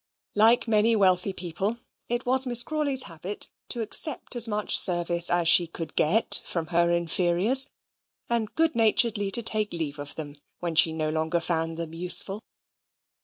Like many wealthy people, it was Miss Crawley's habit to accept as much service as she could get from her inferiors; and good naturedly to take leave of them when she no longer found them useful.